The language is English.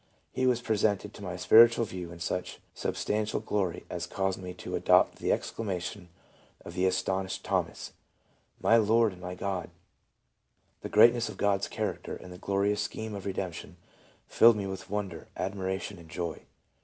He was presented to my spiritual view in such substantial glory as caused me to adopt the exclamation of the astonished Thomas, :' My Lord and my God !'... The great ness of God's character and the glorious scheme of redemp tion filled me with wonder, admiration and joy."